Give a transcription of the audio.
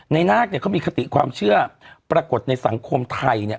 นาคเนี่ยเขามีคติความเชื่อปรากฏในสังคมไทยเนี่ย